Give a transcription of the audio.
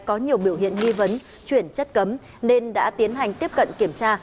có nhiều biểu hiện nghi vấn chuyển chất cấm nên đã tiến hành tiếp cận kiểm tra